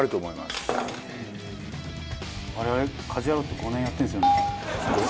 我々『家事ヤロウ！！！』って５年やってるんですよね。